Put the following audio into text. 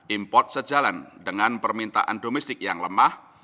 import sejalan dengan permintaan domestik yang lemah